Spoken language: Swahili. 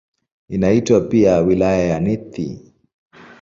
Inaitwa pia "Wilaya ya Nithi".